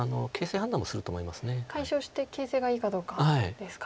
解消して形勢がいいかどうかですか。